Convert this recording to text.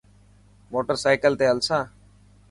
موٽر سائيڪل تي هلسان.